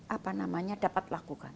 apa namanya dapat lakukan